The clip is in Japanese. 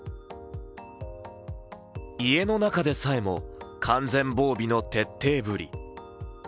家の中でさえも完全防備の徹底ぶり。